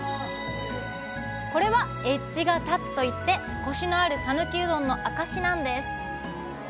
これは「エッジが立つ」といってコシのある讃岐うどんの証しなんです